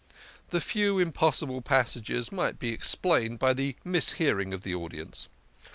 The few impossible passages might be explained by the mishearing of the audience.